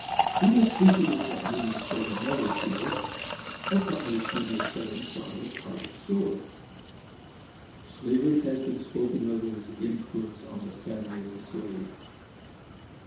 We are speaking of what many a Southern mother feels, of what makes many a Southern father's heart sore. Slavery has been spoken of in its influence on the family of the slave.